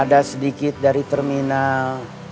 ada sedikit dari terminal